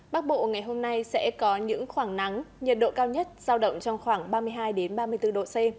bắc bộ ngày hôm nay sẽ có những khoảng nắng nhiệt độ cao nhất giao động trong khoảng ba mươi hai ba mươi bốn độ c